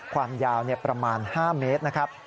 ความยาวประมาณ๕เมตรนะครับ